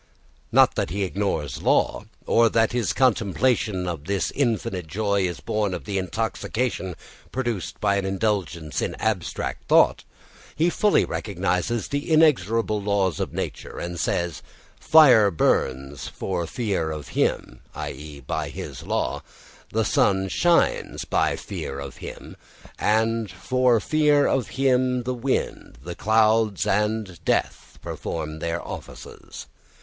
Not that he ignores law, or that his contemplation of this infinite joy is born of the intoxication produced by an indulgence in abstract thought. He fully recognises the inexorable laws of nature, and says, "Fire burns for fear of him (i.e. by his law); the sun shines by fear of him; and for fear of him the wind, the clouds, and death perform their offices."